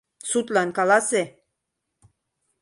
Судлан каласе.